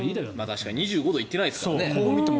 確かに２５度行ってないですからね。